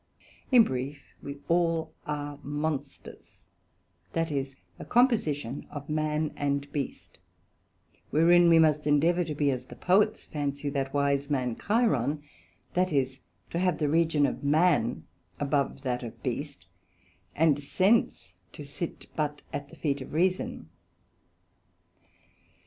In brief, we all are monsters, that is, a composition of Man and Beast; wherein we must endeavour to be as the Poets fancy that wise man Chiron, that is, to have the region of Man above that of Beast, and Sense to sit but at the feet of Reason.